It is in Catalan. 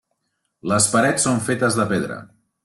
Les parets són fetes de pedra.